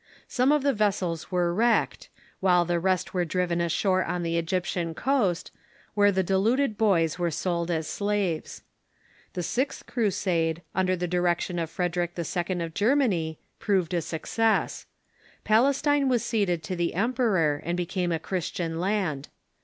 Some of the vessels were wrecked, while the rest were driven ashore on the Egyptian coast, where the deluded boys were sold as slaves. The sixth Crusade, under the direc tion of Frederic II. of Germany, proved a success. Palestine was ceded to the emperor and became a Christian land.